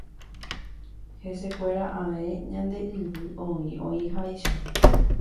Hesekuéra ae ñande yvy oĩ oĩháicha.